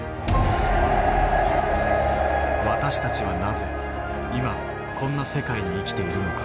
私たちはなぜ今こんな世界に生きているのか。